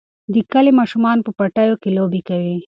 د کلي ماشومان په پټیو کې لوبې کوي.